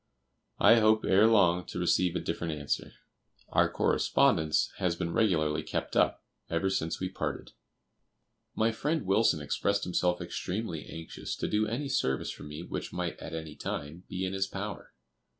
I hope ere long to receive a different answer. Our correspondence has been regularly kept up ever since we parted. My friend Wilson expressed himself extremely anxious to do any service for me which might at any time be in his power.